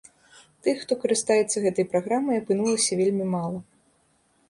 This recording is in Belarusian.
Тых, хто карыстаецца гэтай праграмай, апынулася вельмі мала.